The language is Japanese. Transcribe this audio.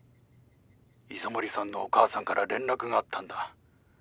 磯森さんのお母さんから連絡があったんだ。